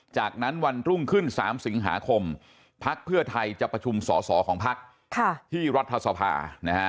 จากนั้นวันรุ่งขึ้น๓สิงหาคมพักเพื่อไทยจะประชุมสอสอของพักที่รัฐสภานะฮะ